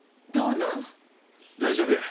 大丈夫や。